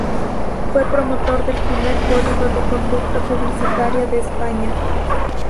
Fue promotor del primer Código de Conducta Publicitaria de España.